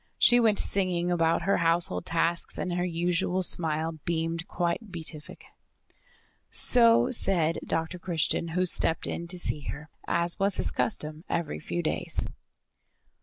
She went singing about her household tasks and her usual smile beamed quite beatific. So said Dr. Christian, who stepped in to see her, as was his custom every few days.